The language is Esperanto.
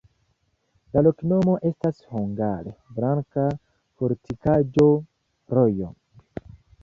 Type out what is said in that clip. La loknomo estas hungare: blanka-fortikaĵo-rojo.